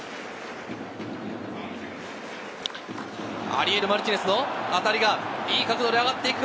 アリエル・マルティネスの当たりがいい角度で上がっていく！